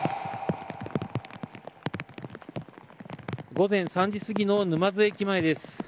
午前３時すぎの沼津駅前です。